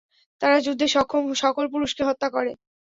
তারা যুদ্ধে সক্ষম সকল পুরুষকে হত্যা করে।